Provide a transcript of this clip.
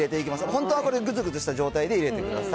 本当はこれ、ぐつぐつした状態で入れてください。